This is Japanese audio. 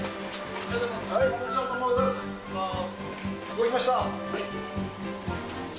届きました！